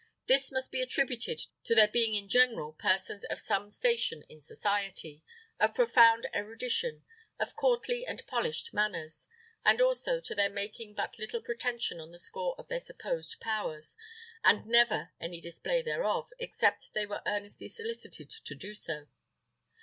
This must be attributed to their being in general persons of some station in society, of profound erudition, of courtly and polished manners, and also to their making but little pretension on the score of their supposed powers, and never any display thereof, except they were earnestly solicited to do so.